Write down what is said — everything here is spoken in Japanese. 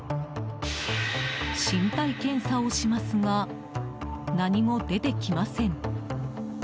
身体検査をしますが何も出てきません。